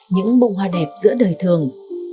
những bông hoa đẹp giữa đời thường